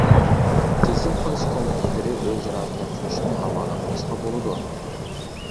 كېسىم قىلىش كومىتېتلىرى ئۆزئارا تەكشۈرۈشنى ھاۋالە قىلىشقا بولىدۇ.